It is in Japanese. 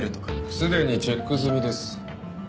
すでにチェック済みです。